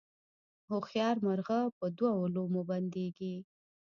هوښیار مرغه په دوو لومو بندیږي